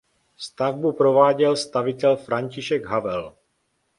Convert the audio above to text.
Stavbu prováděl stavitel František Havel.